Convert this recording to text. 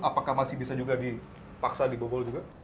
apakah masih bisa juga dipaksa dibobol juga